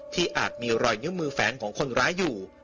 อาจมีรอยนิ้วมือแฝงของคนร้ายอยู่